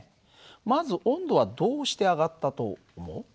まず温度はどうして上がったと思う？